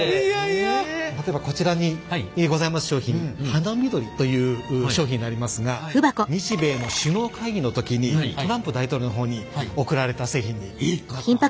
例えばこちらにございます商品「花見鳥」という商品になりますが日米の首脳会議の時にトランプ大統領の方に贈られた製品になっております。